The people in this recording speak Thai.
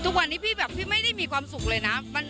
ทุกวันนี้พี่แบบพี่ไม่ได้มีความสุขเลยนะ